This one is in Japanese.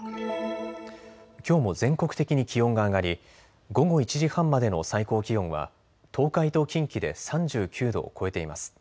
きょうも全国的に気温が上がり午後１時半までの最高気温は東海と近畿で３９度を超えています。